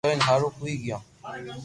جوئين حآرون ھوئي گيو